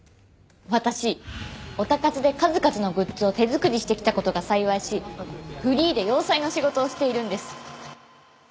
私オタ活で数々のグッズを手作りしてきた事が幸いしフリーで洋裁の仕事をしているんです。